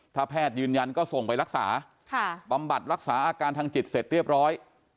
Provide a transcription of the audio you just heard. ถ้าแพทย์ยืนยันก็ส่งไปรักษาบำบัดรักษาอาการทางจิตเสร็จเรียบร้อย